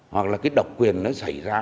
hoặc là cái độc quyền nó xảy ra